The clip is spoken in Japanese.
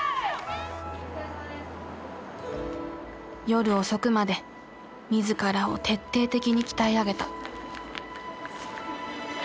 夜遅くまで自らを徹底的に鍛え上げた。